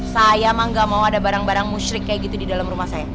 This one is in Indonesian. saya emang gak mau ada barang barang musyrik kayak gitu di dalam rumah saya